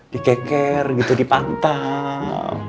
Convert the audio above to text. dikeker gitu dipantang